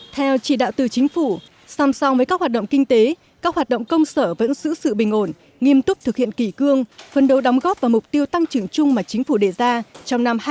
theo chỉ đạo từ chính phủ song song với các hoạt động kinh tế các hoạt động công sở vẫn giữ sự bình ổn nghiêm túc thực hiện kỳ cương phân đấu đóng góp vào mục tiêu tăng trưởng chung mà chính phủ đề ra trong năm hai nghìn hai mươi